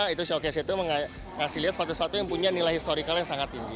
itu showcase itu ngasih lihat sepatu sepatu yang punya nilai historical yang sangat tinggi